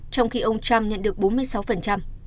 trong khi ông trump nhận được bốn mươi sáu